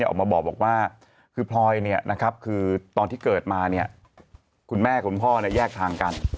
ออกมาบอกว่าคือพลอยคือตอนที่เกิดมาเนี่ยคุณแม่คุณพ่อแยกทางกัน